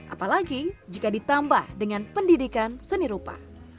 apalagi jika ditambah dengan pendidikan seni rupa